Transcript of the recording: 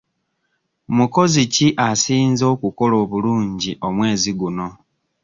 Mukozi ki asinze okukola obulungi omwezi guno?